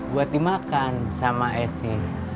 buat dimakan sama esi